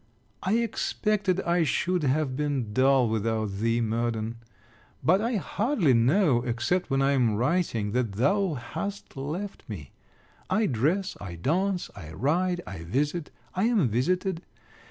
I expected I should have been dull without thee, Murden; but I hardly know, except when I am writing, that thou hast left me. I dress, I dance, I ride, I visit, I am visited.